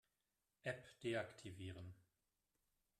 App deaktivieren.